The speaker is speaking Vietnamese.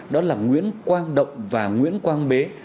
đó là nguyễn quang động và nguyễn quang bế